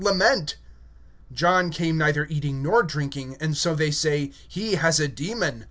(18)For John came neither eating nor drinking, and they say: He has a demon.